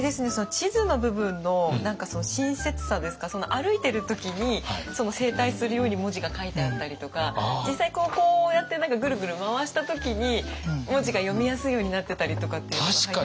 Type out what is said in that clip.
地図の部分の親切さですか歩いてる時に正対するように文字が書いてあったりとか実際こうやってぐるぐる回した時に文字が読みやすいようになってたりとかっていうのが入ってます。